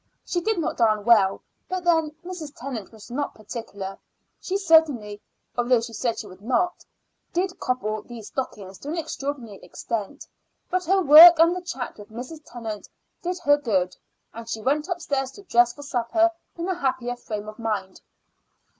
She did not darn well; but then, Mrs. Tennant was not particular. She certainly although she said she would not did cobble these stockings to an extraordinary extent; but her work and the chat with Mrs. Tennant did her good, and she went upstairs to dress for supper in a happier frame of mind.